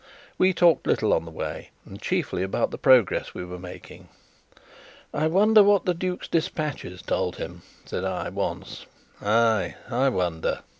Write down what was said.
We talked little on the way, and chiefly about the progress we were making. "I wonder what the duke's despatches told him," said I, once. "Ay, I wonder!"